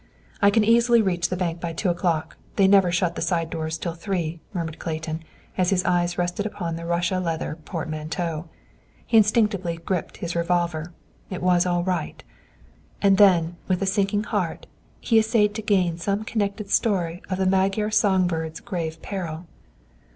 "I can easily reach the bank by two o'clock; they never shut the side doors till three," murmured Clayton, as his eyes rested upon the Russia leather portmanteau. He instinctively gripped his revolver. It was all right. And then, with a sinking heart, he essayed to gain some connected story of the Magyar songbird's grave peril.